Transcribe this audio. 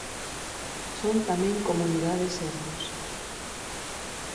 Son tamén Comunidade Sermos.